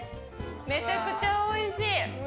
めちゃくちゃおいしい。